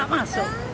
mau mau masuk